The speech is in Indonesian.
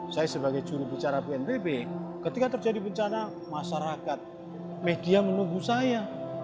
saya sebagai jurubicara bnpb ketika terjadi bencana masyarakat media menunggu saya